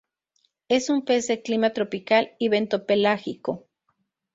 Es un pez de clima tropical y bentopelágico.